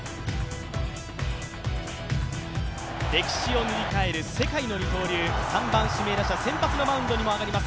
歴史を塗り替える世界の二刀流、３番・指名打者、先発のマウンドにも上がります